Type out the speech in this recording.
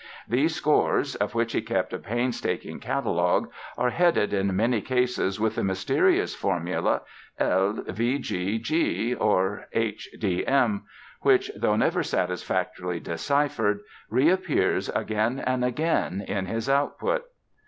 These scores (of which he kept a painstaking catalogue) are headed in many cases with the mysterious formula "L.v.g.G." or "H.d.m.", which though never satisfactorily deciphered, reappears again and again in his output.